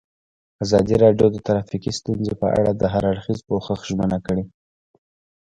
ازادي راډیو د ټرافیکي ستونزې په اړه د هر اړخیز پوښښ ژمنه کړې.